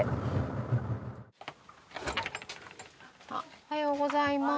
おはようございます。